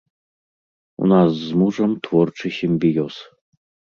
У нас з мужам творчы сімбіёз.